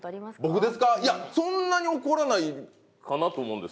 いやそんなに怒らないかなと思うんです